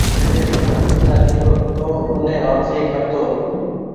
ڪي سون پئيسا لئو تو اوني واپسي ڪرۮو۔